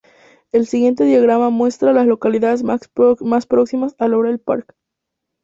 El siguiente diagrama muestra a las localidades más próximas a Laurel Park.